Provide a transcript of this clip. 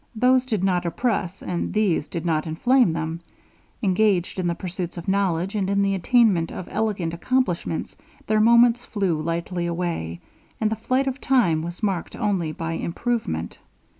Those did not oppress, and these did not inflame them. Engaged in the pursuits of knowledge, and in the attainment of elegant accomplishments, their moments flew lightly away, and the flight of time was marked only by improvement.